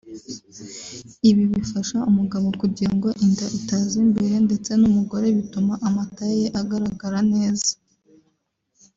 Ibi bifasha umugabo kugira ngo inda itaza imbere ndetse n’umugore bituma amataye ye agaragara neza